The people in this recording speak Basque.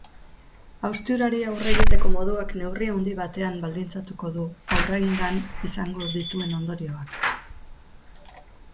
Hausturari aurre egiteko moduak neurri handi batean baldintzatuko du haurrengan izango dituen ondorioak.